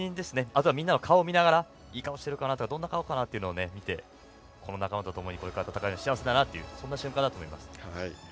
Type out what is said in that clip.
あとはみんなの顔を見ながらいい顔をしているかなどんな顔かなとかを見てこの仲間とともにこれから戦えるのが幸せだなという瞬間だと思います。